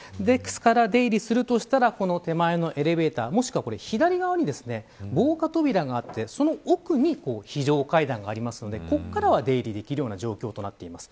出入りするとしたら手前のエレベーターもしくは左側に防火扉があってその奥に、非常階段があるのでここからは出入りできる状況となっています。